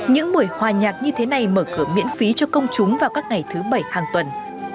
những buổi hòa nhạc như thế này mở cửa miễn phí cho công chúng vào các ngày thứ bảy hàng tuần